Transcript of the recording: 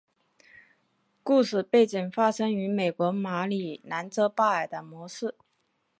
故事背景发生于美国马里兰州巴尔的摩市。